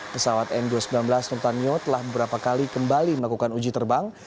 pesawat n dua ratus sembilan belas nurtanio telah beberapa kali kembali melakukan uji terbang